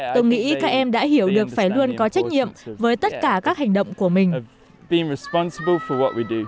tôi nghĩ các em đã hiểu được phải luôn có trách nhiệm với tất cả các hành động của mình